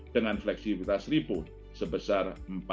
dengan fleksibilitas ripo sebesar empat lima